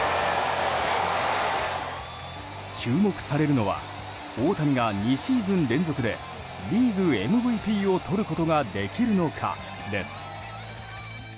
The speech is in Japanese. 注目されるのは大谷が２シーズン連続でリーグＭＶＰをとることができるのかです。